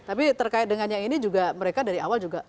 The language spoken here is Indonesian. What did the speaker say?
tapi terkait dengan yang ini juga mereka dari awal juga